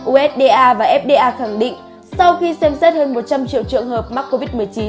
usda và fda khẳng định sau khi xem xét hơn một trăm linh triệu trường hợp mắc covid một mươi chín